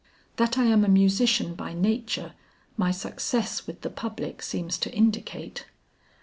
That I am a musician by nature, my success with the the public seems to indicate.